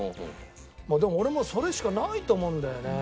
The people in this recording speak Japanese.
でも俺もそれしかないと思うんだよね。